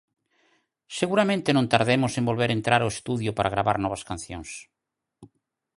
Seguramente non tardemos en volver entrar ao estudio para gravar novas cancións.